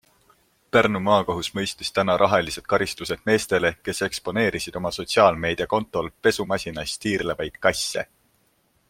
Pärnu maakohus mõistis täna rahalised karistused meestele, kes eksponeerisid oma sotsiaalmeedia kontol pesumasinas tiirlevaid kasse.